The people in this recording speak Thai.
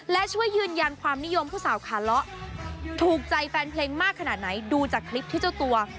และช่วยยืนยันความนิยมผู้สาวขาเลาะถูกใจแฟนเพลงมากขนาดไหนดูจากคลิปที่เจ้าตัว